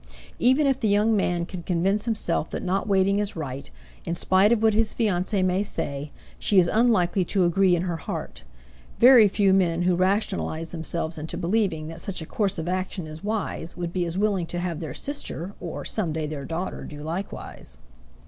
Even if the young man can convince himself that not waiting is right, in spite of what his fiancée may say, she is unlikely to agree in her heart. Very few men who rationalize themselves into believing that such a course of action is wise would be as willing to have their sister or some day their daughter do likewise.